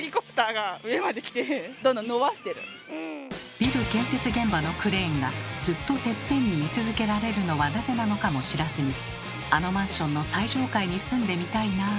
ビル建設現場のクレーンがずっとテッペンに居続けられるのはなぜなのかも知らずに「あのマンションの最上階に住んでみたいなあ」